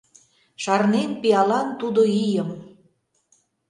Шарнем пиалан тудо ийым.